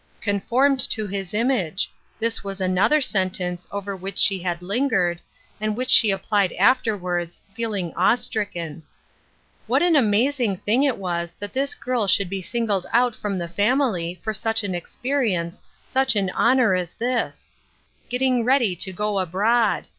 "Conformed to his image," this was another sentence over which she had lingered, and which she applied afterwards, feeling awe stricken. What an amazing thing it was that this girl should be singled out from the family for such an experience, such an honor as this !" Getting ready to go abroad."